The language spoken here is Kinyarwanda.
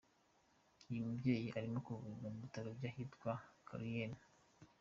Uyu mubyeyi arimo kuvurirwa ku bitaro by’ ahitwa Kiriaini.